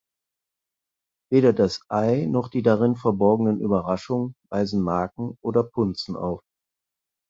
Weder das Ei noch die darin verborgenen Überraschungen weisen Marken oder Punzen auf.